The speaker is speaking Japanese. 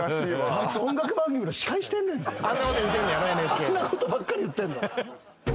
あんなことばっかり言ってんの？